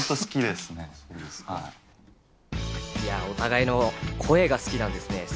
お互いの声が好きなんですね。